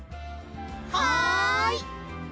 はい！